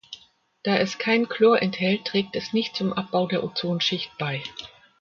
Da es kein Chlor enthält trägt es nicht zum Abbau der Ozonschicht bei.